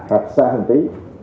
hoặc xa hơn tí